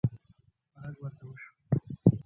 غږ ورته وشو: